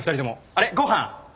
あれ？ご飯？